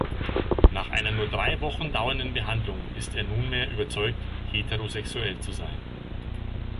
Nach einer nur drei Wochen dauernden Behandlung ist er nunmehr überzeugt, heterosexuell zu sein.